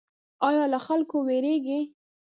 ایا له خلکو ویریږئ؟